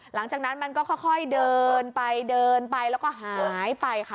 หลังจากนั้นมันก็ค่อยเดินไปเดินไปแล้วก็หายไปค่ะ